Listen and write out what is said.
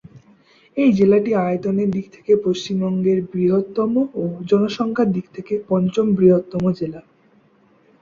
এই জেলাটি আয়তনের দিক থেকে পশ্চিমবঙ্গের বৃহত্তম ও জনসংখ্যার দিক থেকে পঞ্চম বৃহত্তম জেলা।